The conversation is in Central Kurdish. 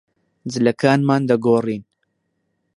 جلەکانمان دەگۆڕین.